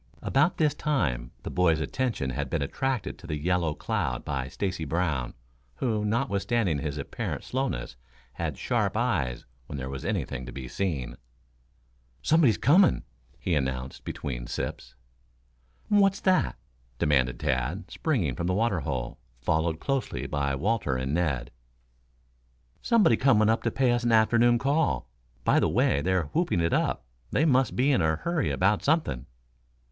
About this time the boys' attention had been attracted to the yellow cloud by Stacy Brown, who, notwithstanding his apparent slowness, had sharp eyes when there was anything to be seen. "Somebody's coming," he announced between sips. "What's that?" demanded Tad, springing from the water hole, followed closely by Walter and Ned. "Somebody coming to pay us an afternoon call. By the way they're whooping it up they must be in a hurry about something."